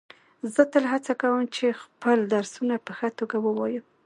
زه تل هڅه کوم چي خپل درسونه په ښه توګه ووایم.